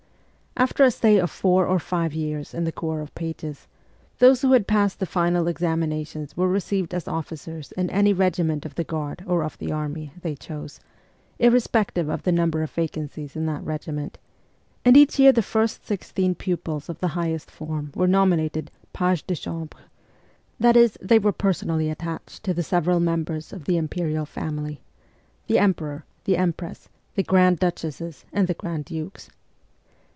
After a stay of four or five years in the corps of pages, those who had passed the final examinations were received as officers in any regiment of the Guard or of the army tfiey chose, irrespective of the number of vacancies in that regiment ; and each year the first sixteen pupils of the highest form were nominated pages de chambre : that is, they were personally attached to the several members of the imperial family the emperor, the empress, the grand duchesses, and the grand dukes.